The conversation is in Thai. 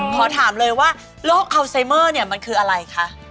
ขอถามเลยว่าโรคอัลไซเมอร์เนี่ยมันคืออะไรคะ